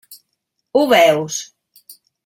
Ho veus?